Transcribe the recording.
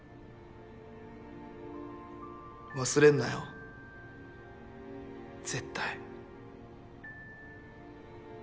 忘れんなよ絶対。